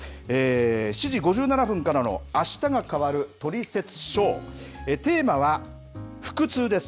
７時５７分からのあしたが変わるトリセツショーテーマは腹痛です。